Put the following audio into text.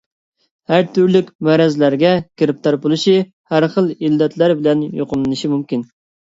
ھەر تۈرلۈك مەرەزلىكلەرگە گىرىپتار بولۇشى، ھەرخىل ئىللەتلەر بىلەن يۇقۇملىنىشى مۇمكىن.